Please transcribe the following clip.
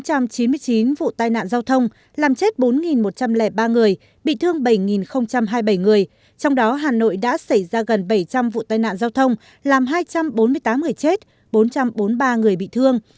trong một trăm chín mươi chín vụ tai nạn giao thông làm chết bốn một trăm linh ba người bị thương bảy hai mươi bảy người trong đó hà nội đã xảy ra gần bảy trăm linh vụ tai nạn giao thông làm hai trăm bốn mươi tám người chết bốn trăm bốn mươi ba người bị thương